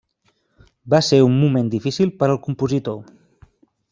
Va ser un moment difícil per al compositor.